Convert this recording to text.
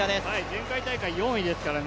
前回大会４位ですからね